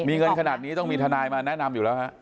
มีเงินขนาดนี้ต้องมีทนายมาแนะนำอยู่แล้วฮะ